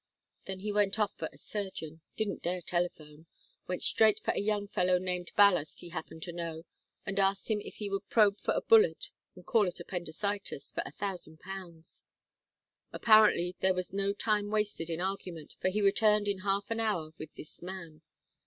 Then he went off for a surgeon didn't dare telephone went straight for a young fellow named Ballast he happened to know, and asked him if he would probe for a bullet and call it appendicitis, for a thousand pounds. Apparently there was no time wasted in argument, for he returned in half an hour with his man.